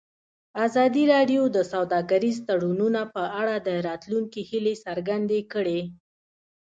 ازادي راډیو د سوداګریز تړونونه په اړه د راتلونکي هیلې څرګندې کړې.